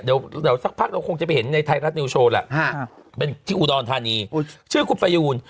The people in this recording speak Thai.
เดี๋ยวสักพักเราคงจะไปเห็นในไทยรัฐนิวโชว์แหละเป็นที่อุดรธานีชื่อคุณประยูน